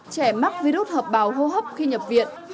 trẻ mắc virus hợp bào hô hấp khi nhập viện